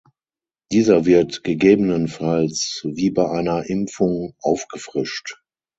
Dieser wird gegebenenfalls wie bei einer Impfung "aufgefrischt".